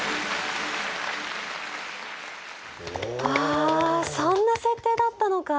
ああそんな設定だったのか。